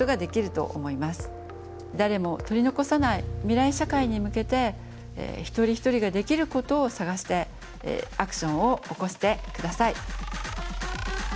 誰も取り残さない未来社会に向けて一人一人ができることを探してアクションを起こして下さい。